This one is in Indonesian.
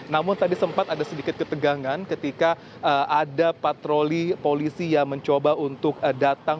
namun tadi sempat ada sedikit ketegangan ketika ada patroli polisi yang mencoba untuk datang